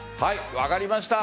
分かりました。